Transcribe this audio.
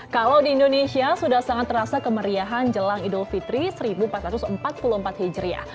kalau di indonesia sudah sangat terasa kemeriahan jelang idul fitri seribu empat ratus empat puluh empat hijriah